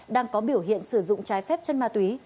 đang có biểu hiện sử dụng trái phép chân ma túy